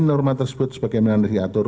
norma tersebut sebagai menandatangani atur